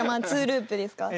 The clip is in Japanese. ２ループですか？